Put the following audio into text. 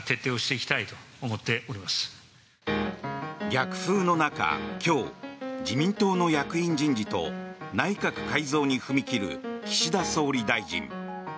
逆風の中、今日自民党の役員人事と内閣改造に踏み切る岸田総理大臣。